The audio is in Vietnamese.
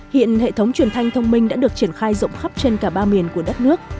hiện hệ thống truyền thanh thông minh đã được triển khai rộng khắp trên cả ba miền của đất nước